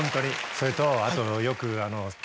それとあとよく。